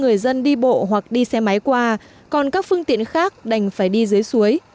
người dân đi bộ hoặc đi xe máy qua còn các phương tiện khác đành phải đi dưới suối